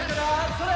それ！